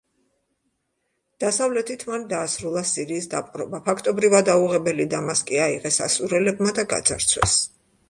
დასავლეთით მან დაასრულა სირიის დაპყრობა, ფაქტობრივად აუღებელი დამასკი აიღეს ასურელებმა და გაძარცვეს.